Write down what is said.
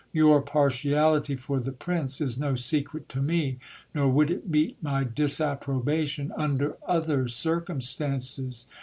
Your partiality for the prince is no secret to me, nor would it meet my disap probation under other circumstances.